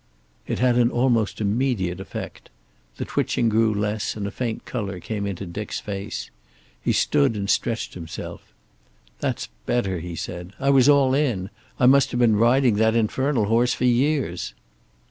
It had an almost immediate effect. The twitching grew less, and a faint color came into Dick's face. He stood up and stretched himself. "That's better," he said. "I was all in. I must have been riding that infernal horse for years."